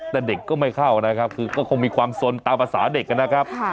แต่เด็กก็ไม่เข้านะครับคือก็คงมีความสนตามภาษาเด็กนะครับ